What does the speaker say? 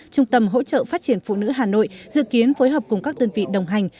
trung tâm hỗ trợ phát triển phụ nữ hà nội dự kiến phối hợp cùng các đơn vị đồng hành